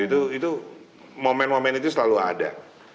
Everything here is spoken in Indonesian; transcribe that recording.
itu moment moment itu selalu ada